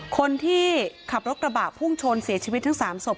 คนที่ขับรถกระบะพุ่งชนเสียชีวิตทั้ง๓ศพ